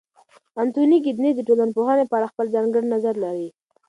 انتوني ګیدنز د ټولنپوهنې په اړه خپل ځانګړی نظر لري.